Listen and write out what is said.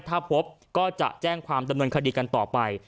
ถ้าพบก็จะแจ้งความดำเนินคดีกันต่อไป